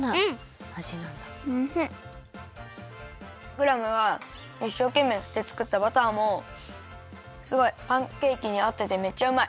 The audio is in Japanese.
クラムがいっしょうけんめいふってつくったバターもすごいパンケーキにあっててめっちゃうまい。